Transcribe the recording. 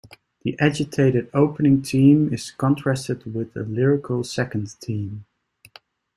The agitated opening theme is contrasted with a lyrical second theme.